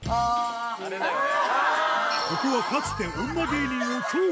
あれだよね。